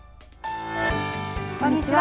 こんにちは。